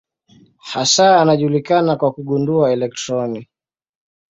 Hasa anajulikana kwa kugundua elektroni.